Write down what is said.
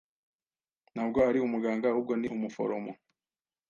Ntabwo ari umuganga, ahubwo ni umuforomo.